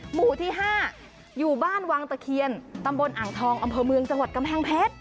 หมู่ที่๕อยู่บ้านวังตะเคียนตำบลอ่างทองอำเภอเมืองจังหวัดกำแพงเพชร